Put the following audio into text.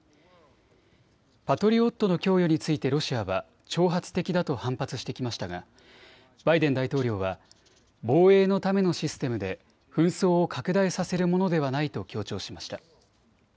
パトリオットの供与についてロシアは挑発的だと反発してきましたがバイデン大統領は防衛のためのシステムで紛争を拡大させるものではないと強調しました。